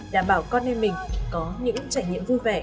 đảm bảo con em mình có những trải nghiệm vui vẻ và trên hết là an toàn